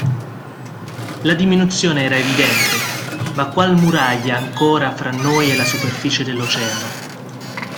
La diminuzione era evidente, ma qual muraglia ancora fra noi e la superficie dell'Oceano!